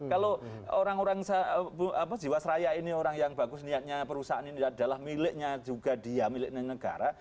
kalau orang orang jiwasraya ini orang yang bagus niatnya perusahaan ini adalah miliknya juga dia milik negara